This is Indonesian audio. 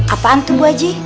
apaan tuh bu aji